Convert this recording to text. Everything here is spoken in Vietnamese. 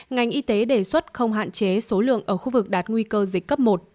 ngành y tế đề xuất không hạn chế số lượng ở khu vực đạt nguy cơ dịch cấp một